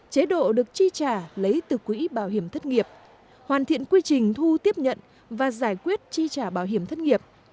chế độ được chi trả lấy từ quỹ bảo hiểm thất nghiệp hoàn thiện quy trình thu tiếp nhận và giải quyết chi trả bảo hiểm thất nghiệp